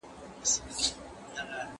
¬ اصل خطا نلري، کم اصل وفا نه لري.